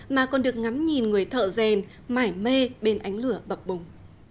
mà còn được ngắm nhìn người thợ rèn mải mê bên ánh lửa bập bùng